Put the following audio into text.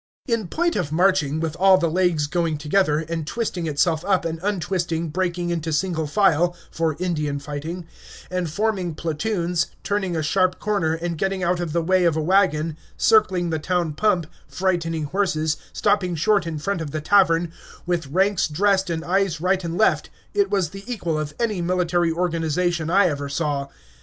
In point of marching, with all the legs going together, and twisting itself up and untwisting breaking into single file (for Indian fighting), and forming platoons, turning a sharp corner, and getting out of the way of a wagon, circling the town pump, frightening horses, stopping short in front of the tavern, with ranks dressed and eyes right and left, it was the equal of any military organization I ever saw.